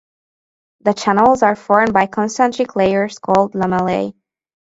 The channels are formed by concentric layers called lamellae.